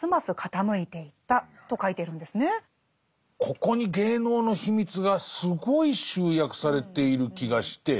ここに芸能の秘密がすごい集約されている気がして。